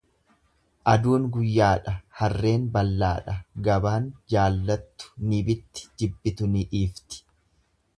Aduun guyyaadha, harreen ballaadha, gabaan jaallattu ni bitti jibbitu ni dhiifti.